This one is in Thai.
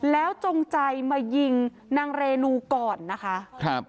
แล้วจงใจมายิงนางเรนูก่อนนะคะครับ